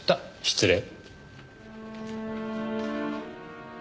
失礼。